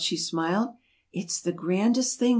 she smiled. "It's the grandest thing!"